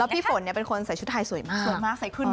แล้วพี่ฝนเนี่ยเป็นคนใส่ชุดทายสวยมาก